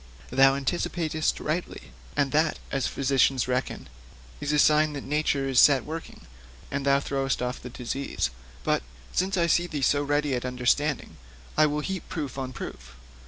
'Thou anticipatest rightly, and that as physicians reckon is a sign that nature is set working, and is throwing off the disease. But, since I see thee so ready at understanding, I will heap proof on proof.